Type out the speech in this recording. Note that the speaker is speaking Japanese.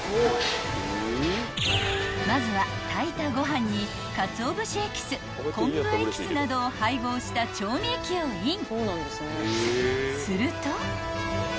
［まずは炊いたご飯にかつお節エキス昆布エキスなどを配合した調味液をイン］